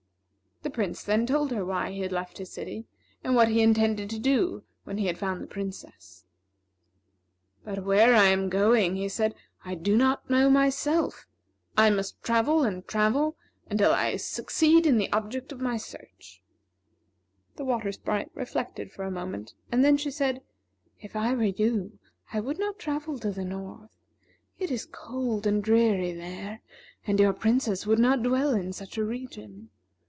The Prince then told her why he had left his city, and what he intended to do when he had found the Princess. "But where I am going," he said, "I do not know, myself. I must travel and travel until I succeed in the object of my search." The Water Sprite reflected for a moment, and then she said: "If I were you, I would not travel to the north. It is cold and dreary there, and your Princess would not dwell in such a region.